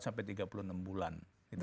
dua puluh empat sampai tiga puluh enam bulan